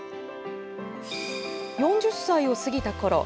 ４０歳を過ぎたころ